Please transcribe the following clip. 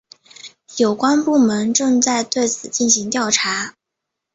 有关部门正在对此进行调查。